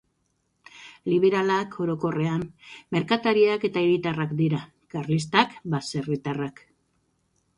Liberalak, orokorrean, merkatariak eta hiritarrak dira; karlistak, baserritarrak.